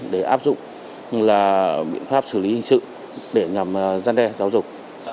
để áp dụng là biện pháp xử lý hình sự để ngầm gian đe giáo dục